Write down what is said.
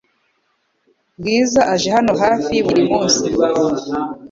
Bwiza aje hano hafi buri munsi .